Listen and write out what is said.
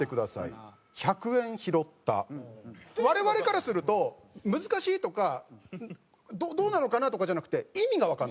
我々からすると難しいとかどうなのかなとかじゃなくて。